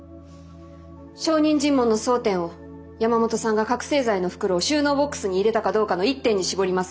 証人尋問の争点を山本さんが覚醒剤の袋を収納ボックスに入れたかどうかの一点に絞ります。